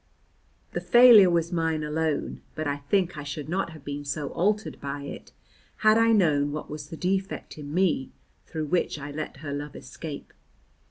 The failure was mine alone, but I think I should not have been so altered by it had I known what was the defect in me through which I let her love escape.